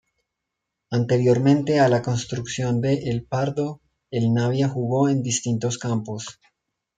Anteriormente a la construcción de El Pardo el Navia jugó en distintos campos.